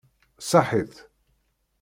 Saḥḥit!